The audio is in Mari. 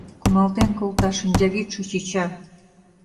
Кумалтен колта, шинчавӱдшӧ чӱча.